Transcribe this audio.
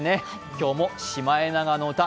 今日も「シマエナガの歌」